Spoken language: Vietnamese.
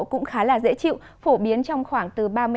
cũng khá là dễ chịu phổ biến trong khoảng từ ba mươi năm